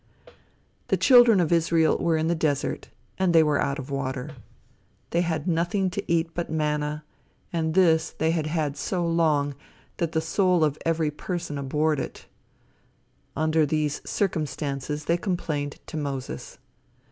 The children of Israel were in the desert, and they were out of water. They had nothing to eat but manna, and this they had had so long that the soul of every person abhorred it. Under these circumstances they complained to Moses.